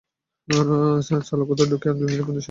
চলুন ভিতরে ঢুকি আর দুই মিনিটের মধ্যে সব শেষ করি।